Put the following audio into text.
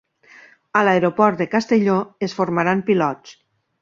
A l'aeroport de Castelló es formaran pilots